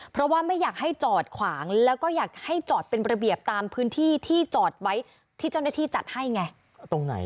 เพราะว่าไม่อยากให้จอดขวางแล้วก็อยากให้จอดเป็นระเบียบตามพื้นที่ที่จอดไว้ที่เจ้าหน้าที่จัดให้ไง